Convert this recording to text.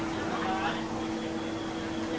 สวัสดีค่ะ